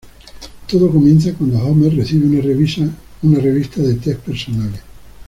Todo comienza cuando Homer recibe una revista de tests personales.